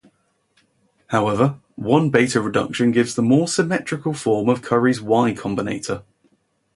However one beta reduction gives the more symmetrical form of Curry's Y combinator.